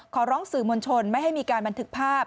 ขอร้องสื่อมวลชนไม่ให้มีการบันทึกภาพ